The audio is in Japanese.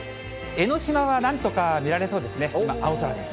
江の島はなんとか見られそうですね、今、青空です。